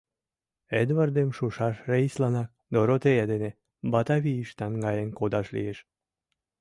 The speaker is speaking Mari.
Эдвардым шушаш рейсланак “Доротея” дене Батавийыш наҥгаен кодаш лиеш.